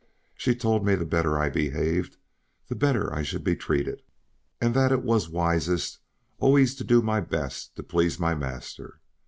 She told me the better I behaved the better I should be treated, and that it was wisest always to do my best to please my master.